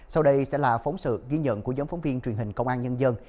sau đây sẽ là phóng sự ghi nhận của nhóm phóng viên truyền hình công an nhân dân